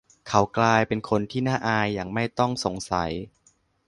เขากลายเป็นคนที่น่าอายอย่างไม่ต้องสงสัย